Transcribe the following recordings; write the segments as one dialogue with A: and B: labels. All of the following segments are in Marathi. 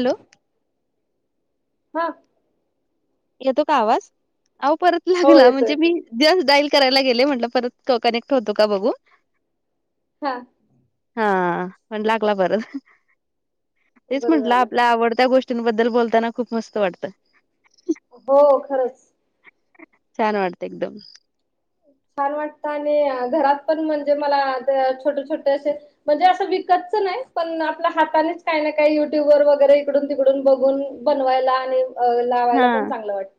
A: हॅलो!
B: हा.
A: येतो का आवाज,, अहो परत
B: हो
A: लागला
B: येतो
A: म्हणजे
B: येतो
A: मी जस्ट डायल करायला गेले म्हटलं परत कनेक्ट होतो का बघू.
B: हा.
A: हा, पण लागला परत,,, तेच
B: बरं
A: म्हंटलं
B: झालं
A: आपल्या आवडत्या गोष्टी तन बद्दल बोलताना खूप मस्त वाटतं.
B: हो खरंच.
A: छान वाटतं एकदम.
B: छान वाटतं आणि घरात पण म्हणजे मला छोटे छोटे असे म्हणजे असं विकतचं नाही, पण आपल्या हातानेच काही ना काही युट्यूब वर वगैरे इकडून तिकडून बघून बनवायला आणि अ
A: हा.
B: लावायला पण चांगलं वाटतं.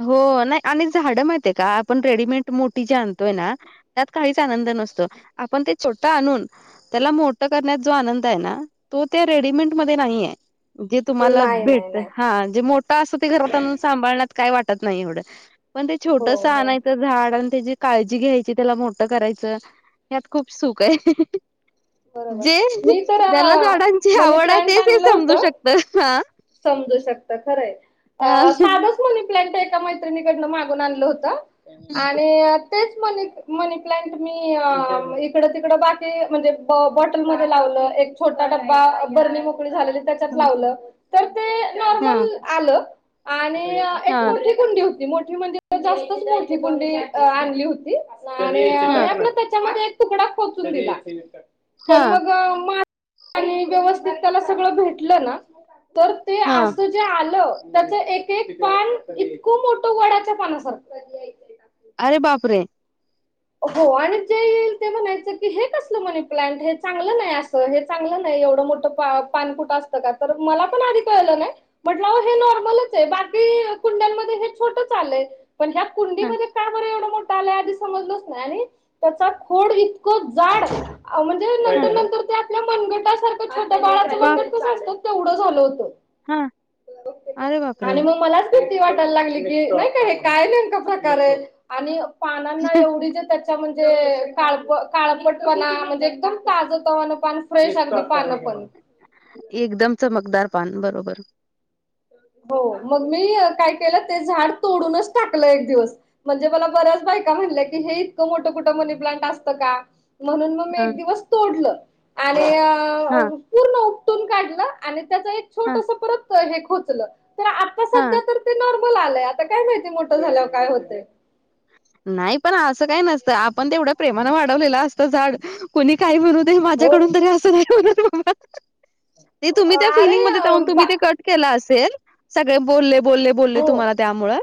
A: हो नाही आणि झाडं माहितय का, आपण रेडीमेड मोठी जे आणतोय ना त्यात काहीच आनंद नसतो,, आपण ते छोटं आणून त्याला मोटं करण्यात जो आनंद आहे ना, तो त्या रेडीमेंट मध्ये नाहीये. जे तुम्हाला
B: नाही नाही
A: भेटत,
B: नाही
A: हा जे मोठं असतं ते घरात आणून सांभाळण्यात काय वाटत नाही एवढं. पण ते
B: हो
A: छोटसं
B: हो
A: आणयचं झाड आणि त्याची काळजी घ्यायची, त्याला मोठं करायचं ह्यात खूप सुख आहे.
B: बरोबर
A: जे
B: मी तर
A: ज्याला झाडांची
B: मनी
A: आवड आहे
B: प्लांट
A: तेच हे
B: आणलं
A: समजू
B: होतं
A: शकत, ह.
B: समजू शकत, खरंय
A: हा
B: अ साधच मनी प्लांट, एका मैत्रिणीकडन मागून आणलं होत आणि तेचं मनी, मनी प्लांट मी इकडं तिकडं बाकी म्हणजे ब बॉटलमध्ये लावल एक छोटा डब्बा, बरणी मोकळी झालेली त्याच्यात लावलं.
A: हा.
B: आल आणि अ एक
A: हा
B: मोठी कुंडी होती, मोठी म्हणजे जास्तच मोठी कुंडी अ आणली होती आणि मी
A: हा
B: आपलं त्याच्यामध्ये एक तुकडा खोचून दिला,
A: हा
B: पण मग अ मा आणि व्यवस्थित त्याला सगळं भेटलं ना, तर ते
A: हा
B: असत ते आलं, त्याच एक एक पान इतकं मोठ वडाच्या पानासारख.
A: अरे बापरे!
B: हो आणि जे येईल ते म्हणायचं, की हे कसलं मनी प्लांट हे चांगलं नाय अस हे चांगलं नाही, एवढं मोठं पान कुठं असतं का?, तर मला पण आधी कळलं नाही? म्हटलं आहो हे नॉर्मलच आहे, बाकी कुंड्यांमध्ये हे छोटंच आलंय पण हयात
A: हा
B: कुंडीमध्ये का, बर एवढं मोठं आलाय आधी समजलच नाय आणि त्याचा खोडं इतकं जाड म्हणजे
A: हा
B: नंतर नंतर त्या आपल्या मनगटासारखं छोट बाळ
A: बाक
B: कस असत, तेवढं झालं होत
A: अरे बापरे
B: आणि मग मलाच भीती वाटायला लागली की, नाही काय हे काय नेमका प्रकार आहे आणि पानांना एवढी जे त्याच्या म्हणजे काळप, काळपटपणा म्हणजे एकदम ताजतवान पान असत फ्रेश असत पान पण.
A: एकदम चमकदार पान, बरोबर.
B: हो मग मी अ काय केलं, ते झाड तोडूनचं टाकलं एक दिवस म्हणजे मला बऱ्याच बायका म्हणल्या, कि हे इतक मोठ कुठ मनी प्लांट असत का? म्हणून म मी
A: हा
B: एक दिवस तोडल, आणि अ
A: हा
B: पूर्ण उपटून काढलं आणि त्याच एक
A: हा
B: छोटस परत हे खोचलं, तर आत
A: हां.
B: ते नॉर्मल आलंय, आता काय माहिती मोठं झाल्यावर काय होतय?
A: नाही पण अस काय नसत, आपण ते एवढ्या प्रेमानं वाढवलेल असत झाड, कोणी काही म्हणू
B: हो
A: माझ्याकडून तरी असं नाही होणार [inaudible] ते तुम्ही त्या
B: अरे
A: फिलिंग मधे
B: अ,
A: जाऊन तुम्ही
B: बा
A: ते कट केला असेल, सगळे बोलले बोलले, बोलले
B: हो
A: तुम्हाला त्यामुळं,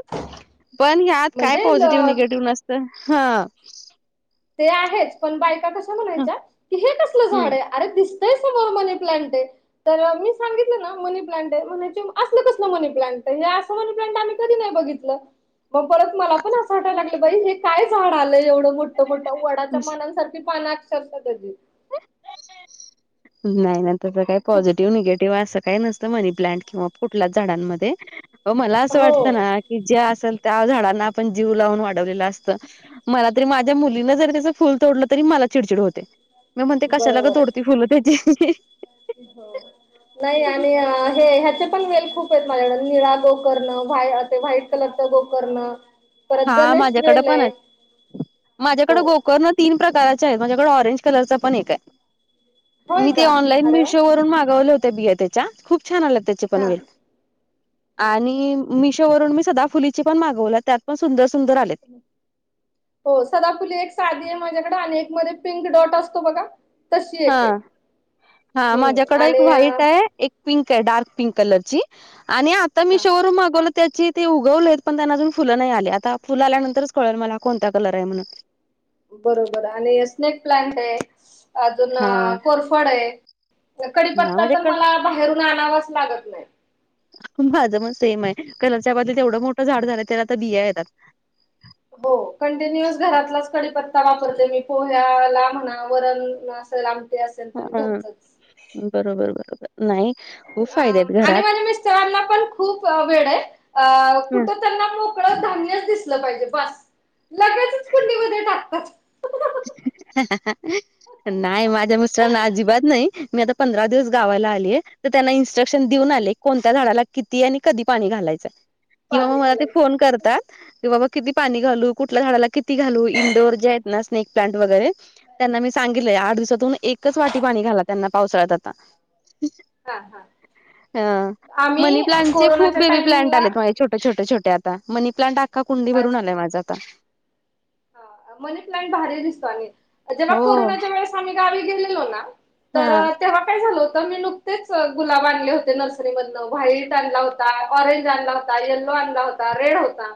A: पण यात काय
B: म्हणजे
A: पॉझिटिव्ह,
B: ल
A: निगेटिव्ह नसतय, हा.
B: ते आहेच, पण बायका कशा म्हणायच्या की, हे कसल
A: हम्म.
B: झाड ये? अरे दिसतंय समोर मनी प्लांट आहे. तर अ मी सांगितलं ना मनी प्लांट आहे, म्हणायचे म असलं कसलं मनी प्लांट आहे, हे अस मनी प्लांट आम्ही कधी नाही बघित ल मग परत मला पण असं वाटयला लागलं बाई हे काय झाड आलं, एवढं मोठ तो मोठा वडाच्या पानांसारखी पान अक्षरशः त्याची.
A: नाही नाही, तसं काही
B: खूप
A: पॉझिटिव्ह, निगेटिव्ह असं काही नस त मनी प्लांट किंवा कुठल्याच झाडांमध्ये, अ मला असं
B: हो
A: वाटतं ना की ज्या असेल त्या झाडांना, आपण जीव लावून वाढवलेलं असतं. मला तरी माझ्या मुलीनं जरी तेज फुल तोडलं तरी मला चिडचिड होते. मी म्हणते कशाला ग
B: बरोबर आहे.
A: तोडती फुलं त्याची.
B: हो. नाही आणि हे ह्याचे पण वेल खूप आहेत माझ्याकडं, निळा गोकर्ण ते वा्हाईट कलरचा गोकर्ण. परत
A: हा
B: गणेश
A: माझ्याकडे
B: वेल
A: पण
B: आहे
A: हाय माझ्याकडें
B: हो.
A: गोकर्णचऽ तीन प्रकारच्या आहेत, माझ्याकडे ऑरेंज कलरच पण एक हाय.
B: होय
A: मी ते
B: का?
A: ऑनलाईन
B: अरे वा!
A: मिशो वरून मागवले होत बिया त्याच्या, खूप छान आल्या
B: हा
A: त्या.
B: अच्छा.
A: आणि मिशोवरून मी सदा फुलीची पण मागवल्या त्या, पण सुंदर सुंदर आलेत.
B: हो सदाफुली एक साधी आहे माझ्याकडे आणि एक मध्ये पिंक डॉट असतो बघा, तशी
A: हा
B: एक आहे.
A: हा,
B: हम्म
A: माझ्याकड एक
B: आणि
A: वाईट
B: अ,
A: आहे, एक पिंक आहे, डार्क पिंक कलर ची, आणि आता
B: हा
A: मीशोवरून मागवलं त्याची ते उगवले आहेत पण त्यांना अजून फुलं नाही आली, आता फुलं आल्यानंतरच कळेल मला कोणत्या कलर आहे म्हणून.
B: बरोबर, आणि स्नेक प्लांट आहे अजून
A: हा
B: कोरफड आहे.
A: हा
B: कडीपत्ता तर
A: माझ्याकड
B: मला बाहेरून आणावाच लागतं नाही.
A: माझं मग सेम आहे, घराच्या बाद्दलीत एवढं मोठं झाड झालं त्याला आता बिया यायल्यात.
B: हो, कंटिन्यु अस घरातलाच कडीपत्ता वापरते मी, पोह्याला म्हणा वरण अस लां.
A: हां, बरोबर बरोबर नाही. खूप
B: अ
A: फायदे आहेत घरात.
B: आणि माझ्या मिस्तरांना पण खूप वेळ आहे अं
A: हं.
B: कुठ त्यांना फळ धान्यच दिसल पाहिजे बास,
A: ह [inaudible]
B: आताच.
A: हहह [inaudible] नाही माझ्या मिस्टरांना अजिबात नाही, मी आता पंधरा दिवस गावाला आलीय. तर त्यांना इन्स्ट्रक्शन देऊन आलेय, कोणत्या झाडाला किती आणि कधी पाणी घालायचं. किंवा
B: पाणी
A: मग मला ते फोन
B: घालायचं
A: करतात. कि बाबा किती पाणी घालू, कुठल्या झाडाला किती घालू, इंडोअर जे आहेत ना स्नेक प्लांट वगैरे. त्यांना मी सांगितलंय, आठ दिवसातून एकच वाटी पाणी घाला त्यांना पावसाळ्यात आता.
B: हा हा.
A: हां मनी
B: आम्ही
A: प्लाटचे खूप
B: कोरोनाच्या
A: बेबी प्लांट
B: टायमिंगला
A: आलेत माझ छोटेछोट छोटे आता, मनी प्लांट आता कुंडीभरून आलाय माझा आता.
B: ह मनी प्लांट भारी दिसतो आणि, जेव्हा
A: हो
B: कोरोनाच्या वेळेस आम्ही गावी गेलेलो ना, तर
A: हा
B: तेंव्हा काय झाल होत मी नुकतेच गुलाब आणले होते नर्सरी मधन व्हाईट आणला होता ऑरेंज आणला होता. येल्लो आणला होता रेड होता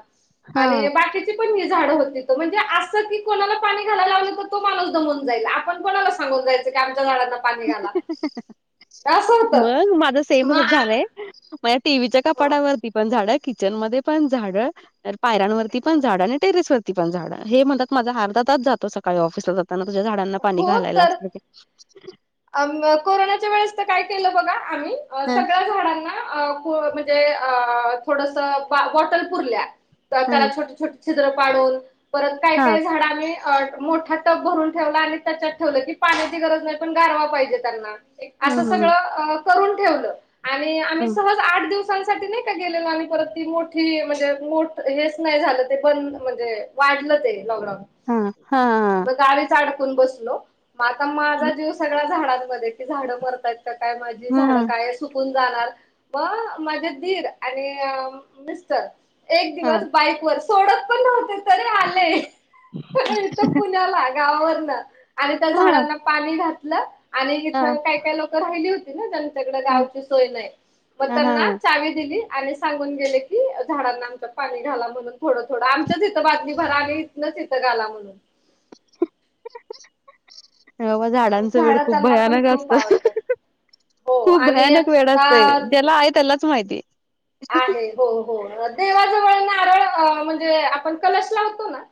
A: हा
B: आणि बाकीची पण ही झाड होती. म्हणजे असं की कोणाला पाणी घालायला लावल तर तो माणूस दमून जाईल आपण कोणाला सांगून जायचं की आमच्या झाडांना पाणी घाला असं होत मग
A: म टीव्हीच्या कपाडावरती पण झाड किचन मध्ये पण झाडं. तर पायऱांवरती पण झाडं आणि टेरेस वती पण झाड हे म्हणतात माझा अर्धा तास जातो सकाळी ऑफिसला जाताना. ता तुझ्या झाडांना पाणी
B: हो
A: घालायला
B: तर
A: लागतंय.
B: कोरोनाच्या वेळेस तर काय केलं बघा आम्ही
A: ह
B: सगळ्या झाडांना- म्हणजे थोडस बॉटल पूरल्या त्याला
A: ह
B: छोटे छोट छिद्र पाडून, परत काय
A: हा
B: काय झाड आम्ही मोठ्या टप भरून ठेवला आणि त्याच्यात ठेवलं की पाण्याची गरज नाही पण गारवा पाहिजे त्यांना.
A: ह
B: असं
A: ह
B: सगळं अं करून ठेवलं आणि
A: ह
B: आम्ही सहज आठ दिवस साठी नाही का गेलेलो आम्ही परत ती मोठी म्हणजे मोठ हेच नाही झालं ते बंद म्हणजे वाढलं ते लॉकडाऊन.
A: हा हा
B: मग गावीच अडकून बसलो, म आता
A: ह
B: माझा जीव सगळा झाडांमध्ये कि झाड मरतायत का काय माझी
A: ह
B: झाड काय अश सुकून जाणार, ब माझे दीर आणि अं मिस्टर एक दिवस बाईक वर सोडत पण नव्हते तरी आले. प हिथं पुण्याला गावावरनं आणि त्या
A: ह
B: झाडांना पाणी घातलं आणि इथं
A: ह
B: काय काय लोकं राहिली होत त्यांच्याकडे
A: ह
B: गावची सोय नाही. मग त्यांना
A: ह
B: चावी दिली आणि सांगून गेले की झाडांना आमच्या पाणी घाला म्हणून थोडं थोडं आमच्याच इथं बादली भरा आणि इथनच इथं घाला म्हणून.
A: हा म झाडांच वेड
B: झाडं
A: खूप
B: त्यांना पण
A: भयानक
B: खूप
A: असतं.
B: आवडतात. हो
A: खूप
B: आणि
A: भयानक वेड
B: आ
A: असतय ज्याला आहे त्यालाच माहितीय.
B: आहे हो हो देवाजवळ नारळ अं म्हणजे आपण कलश लावतो ना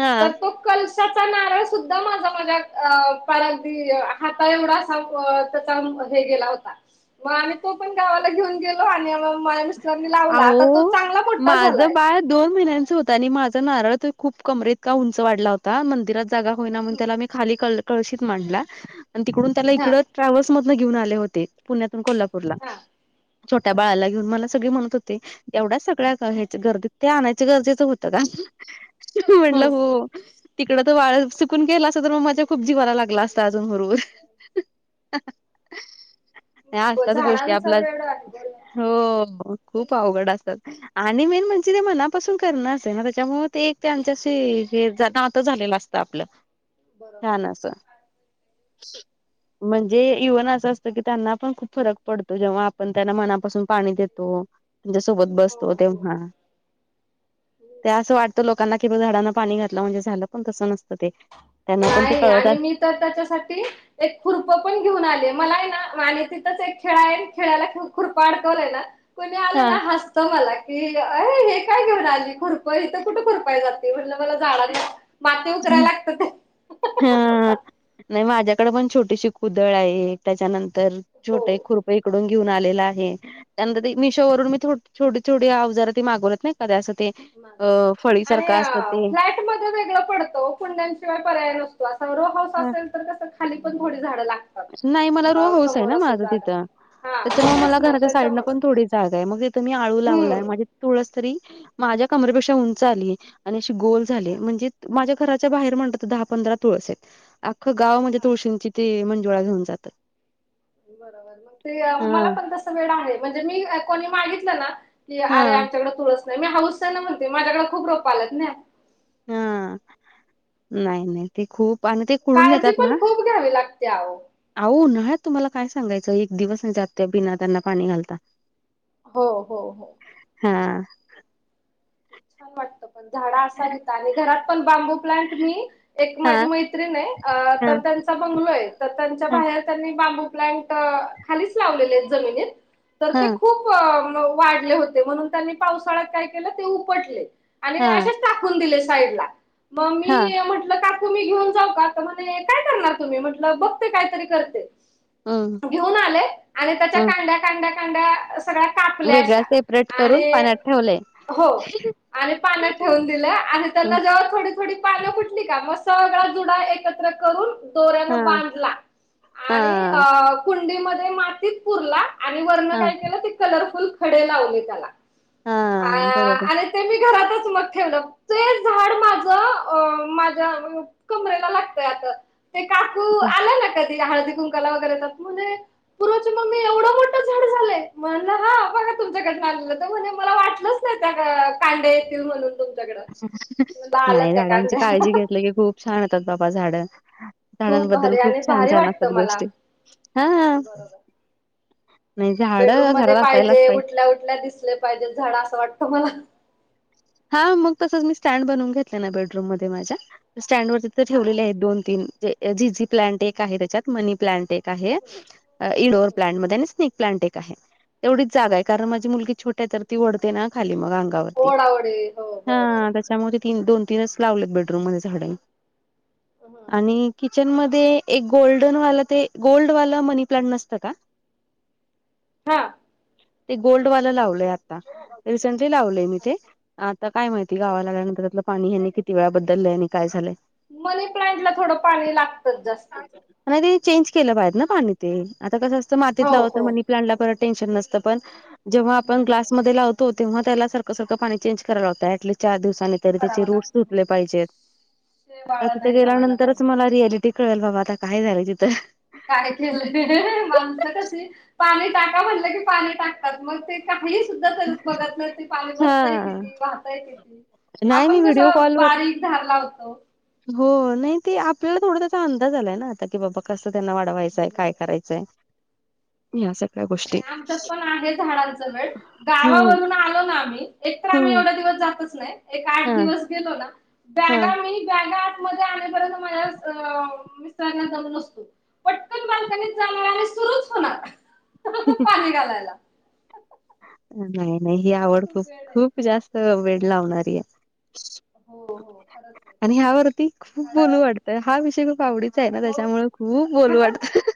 A: हा
B: तर तो कलशाचा नारळ सुद्धा माझा माझ्या अ पार अगदी हाता एवढा असा ब त्याचा ब हे गेला होता, मग आम्ही तो पण गावाला घेऊन गेलो आणि [unintelligible] लावला आता तो
A: आवो
B: चांगला मोठा
A: माझं
B: झालाय.
A: बाळ दोन महिन्यांच होत त्यानी माझा नारळ त खूप कमरेइतका उंच वाढला होता मंदिरात जागा होईना म्हणून त्याला मी खाली कळ कळशित मांडला आणि तिकडून त्याला
B: हा
A: इकडं ट्रॅव्हल्स मधनं घेऊन आले होते. पुण्यातून कोल्हापू पूरला,
B: हा
A: छोट्या
B: अच्छा.
A: बाळाला घेऊन मला सगळे म्हणत होते एवढ्या सगळ्या ह्याच्या गर्दीत ते आणायचं गरजेचं होतं का? म्हणलं
B: हम्म
A: हो तिकडं तर वाळ सुकून गेला असत तर मग माझ्या खूप जीवाला लागलं असतं अजून हूरहूर नाय असतात गोष्टी
B: झाडांचा
A: आपला
B: वेड आहे बरोबर
A: हो खूप अवघड असतात. आणि मेन म्हणजे ते मनापासून करणं असते ना त्याच्यामुळे ते एक त्यांच्याशी हे जात नातं झालेलं असतं आपलं छान
B: आहे.
A: अस. म्हणजे इव्हन असं असतं की त्यांना पण खूप फरक पडतो जेव्हा आपण त्यांना मनापासून पाणी देतो त्यांच्यासोबत
B: हो
A: बसतो
B: हो
A: तेंव्हा. ते असं वाटतं लोकांना कि ब झाडांना पाणी घातलं म्हणजे झालं पण तसं नसतं ते त्यांना पण ते
B: नाही
A: कळत
B: आणि
A: अस
B: मी तर त्याच्यासाठी एक खुरपं पण घेऊन आलेय, मलाय ना आनि तिथंच एक खिळाय खिळ्याला खु खुरपं अडकवलंय ना कोणी आलं
A: हा
B: ना हसतं मला की ए हे काय घेऊन आली खुरपय इथं कुठं खुरपाई जात ते म्हणलं मला झाडांना माती उकरायला लागतं ते.
A: हां नाही माझ्याकडे पण छोटीशी कुदळ आहे एक. त्याच्यानंतर
B: हो
A: छोटं एक खुरपं इकडून घेऊन आलेला आहे त्यानंतर ते मिशो वरून मी थो छोटी छोटी अवजार ते मागवलेत नाही का ते असं ते अं फळी सारखं असतं ते
B: मधे वेगळं पडतं ओ कुंड्यांशिवाय पर्याय नसतो, अस रो हाऊस ‌असेल तर कसं खाली पण घोडी झाडं लागत
A: नाही मला रो हाऊसय ना माझं तिथं.
B: हा मग
A: त्याच्यामुळे मला
B: तेच ना
A: घराच्या साइटनं
B: त्याच्यामुळं
A: पण थोडी जागाय मग तिथं मी आळू लावलाय
B: हम्म
A: माझे तुळस तरी माझ्या कमरेपेक्षा उंच आलीय आणि अशी गोल
B: हा
A: झाले म्हणजे माझ्या घराच्या बाहेर म्हणलात तर दहा पंधरा तुळसयत अख्खं गाव म्हणजे
B: हा
A: तुळशींची ते मंजुळा घेऊन जातात.
B: बरोबर मंग ते
A: हा
B: मला पण तसं वेड आहे म्हणजे मी कोणी मागितलं ना की अरे
A: हा
B: आमच्याकडे तुळस नाही मी हाऊसनं म्हणते माझ्याकडे खूप रोपं आल्यात न्ह्या.
A: हा नाही नाही. ते खूप पान ते कुळून
B: काळजी
A: येतात
B: पण
A: ना.
B: खूप घ्यावी लागते अहो.
A: अहो. उन्हाळ्यात तुम्हाला काय सांगायचं. एक दिवस नाही जात. बिना त्यांना पाणी नाही घालता.
B: हो हो हो.
A: हा.
B: छान वाटत. पण झाड असावीत. आणि घरात पण बांबू प्लांट मी एक माझी
A: हां,
B: मैत्रिण आहे अ
A: हां,
B: तर त्याचा बंगलो आहे. तर त्यांच्या
A: हां,
B: बाहेर त्यांनी बांबू प्लांट खालीच लावलेले जमिनीत तर ते
A: हां,
B: खूप वाढले होते. म्हणून त्यांनी पावसाळ्यात काय केलं ते उपटले. आणि
A: हां,
B: असेच टाकून दिले साईडला मग
A: हां,
B: मी म्हट ल काकू मी घेऊन जाऊ का? तर म्हंटले काय करणार तुम्ही? म्हटल बघते काहीतरी करते.
A: हं,
B: घेऊन आले. आणि त्याच्या
A: हं.
B: कांड्या, कांड्या, कांड्या सगळ्या कापल्या
A: वेगळा
B: अशा
A: सेपरेट करून
B: आणि
A: पाण्यात ठेवलंय.
B: हो. आणि पाण्यात ठेवून दिलं आणि
A: हं,
B: त्यांना जे थोडी थोडी पान फूटली का मग सगळा जुडा एकत्र करून दोऱ्यानं
A: हां,
B: बांधला आणि
A: हां,
B: अ कुंडीमध्ये मातीत पुरला. आणि वरण
A: हां,
B: काय केलं ते कलरफुल खडे लावले त्याला
A: हां. बरोबर.
B: आणि ते मी घरातच मग ठेवलं. ते झाड माझं अ माझ्या अ कमरेला लागतय आता. ते काकू
A: वाह!
B: आल्या ना कधी हळदी कुंकवाला वगैरे तर म्हणे पूर्वाची मम्मी एवढं मोठं झाड झालंय. म्हणल हा बघा तुमच्या कढण आणलंत. म्हणे मला वाटल
A: [inaudible]
B: कांदे येतील म्हणून, तुम
A: अशा का. नाही झाडांची काळजी घेतली की खूप छान होेतात बाबा झाड.
B: खूप
A: झाडांबद्दल
B: भारी
A: खूप
B: आणि
A: छान
B: भारी
A: छान
B: वाटतं
A: असतात
B: मला.
A: गोष्टी. हा.
B: बरोबर बेडरूम मध्ये पाहिजे. उठल्या उठल्या दिसले पाहिजे झाड असं वाटतं मला.
A: हा मग तसच मी स्टँड बनवून घेतले ना बेडरूम मध्ये माझ्या स्टँड वरती तर
B: हा
A: ठेवलेले
B: हा
A: आहेत. दोन -तीन झीझी प्लॅन्ट एक आहे त्याच्यात. मनी प्लॅन्ट एक आहे.
B: हम्म हम्म
A: इनडोअर
B: हम्म
A: प्लांट मध्ये आणि स्नेक प्लांट एक आहे. तेवढीच जागा आहे कारण
B: हा.
A: माझी मुलगी छोटी आहे तर, ती ओढते ना खाली मग अंगावर
B: तेवढे
A: हा त्याच्यामुळे, ते तीन दोन तीनच लावलेत बेडरूम मध्ये झाड. आणि कि चन मध्ये एक गोल्डन वालं ते गोल्ड वाला मनी प्लांट नसतं का
B: हा
A: ते गोल्ड वालं लावलंय आता. रिसेंटली लावलय मी ते.
B: अच्छा
A: आता काय माहिती गावाला आल्यानंतर त्यातलं पाणी हे किती वेळा बद्दलय आणि काय झालंय.
B: मनी प्लांटला थोड पाणी लागतं जास्तीच.
A: नाही ते चेंज केलं पाहिजेत ना पाणी ते. आता कसं असतं मातीत
B: हो
A: लावल तर
B: हो
A: मनी प्लांट ला टेन्शन नसतं. पण जेव्हा आपण ग्लास
B: नसत
A: मध्ये लावतो तेव्हा त्याला सारखं सारखं पाणी चेंज करायला लावत. ॲटलिस्ट चार दिवसान ते तर त्याचे
B: करावं
A: रुट्स
B: लागत हो
A: सुटले पाहिजेत.
B: शेवाळ
A: आता तिथे
B: नाही जमायला
A: गेल्यानंतरच
B: पाहिजे
A: मला
B: त्याच्यात
A: रियालि टी कळल बाबा. आता काय झालंय तिथं.
B: कायतरी. माणसं कसली. पाणी टाका म्हटलं की पाणी टाकतात मग ते काहीच सुद्धा करत बघत नाहीत. पाणी बसतय
A: हा
B: किती, वाहतय किती,
A: नाही मी
B: आपण कस
A: व्हिडिओ कॉलवर
B: बारीक धार लावतो
A: हो. नाही ते आपल्याला थोडा त्याचा अंदाज आलाय ना आता की बाबा कस त्यांना वाट लावांयचंय कायं
B: बरोबर
A: करायचंय ह्यां सगळ्यां गोष्टी
B: नाहीं आमच्यांत पणं आहे झाडांच वेड
A: हम्म
B: गावांवरूंन आंलो नां आम्हीं एक तरं आम्हीं
A: हम्म
B: एवढ्यां दिवसं जातचं नाहीं एक
A: हा
B: आंठ दिवसं गेलो नां
A: हा
B: बॅगा मी बॅगा आंतमंध्ये आणेपर्यंत माझ्यां अं मिस्टरांना दमं नसतो पटंकन बाल्कनीत जाणारं आणि सुरुंच होणारं
A: हूं
B: पाणी घालांयलां
A: नाहीं नाहीं ही आवडतं
B: खूप
A: खूंप
B: वेड आहे.
A: खूंप जास्तं वेळं लावणारी आहे
B: हो हो खरंच आहे ते
A: आणि ह्यांवरती खूंप
B: झाड
A: बोलूं वाटतं हां विषय खूंप आवडीचां आहे नां
B: हो.
A: त्यांच्यामुळे खूंप बोलूं वाटतं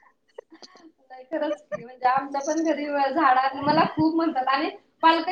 B: नाहीं खरंच की म्हणजे आमच्यां पणं घरी झाडं आहेतं मलां खूंप म्हणतांत आणि पालका